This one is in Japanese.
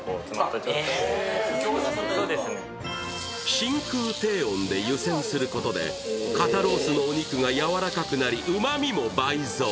真空低温で湯せんすることで肩ロースのお肉がやわらかくなりうまみも倍増。